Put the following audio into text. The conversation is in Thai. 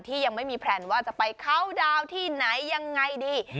ที่ยังไม่มีแพลนว่าจะไปคาวดาวที่ไหนยังไงดี